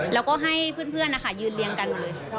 แล้วก็ให้เพื่อนยืนเรียงกันเลย